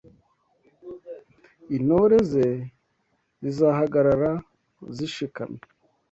intore Ze zizahagarara zishikamye